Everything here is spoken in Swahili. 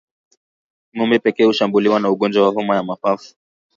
Ngombe pekee hushambuliwa na ugonjwa wa homa ya mapafu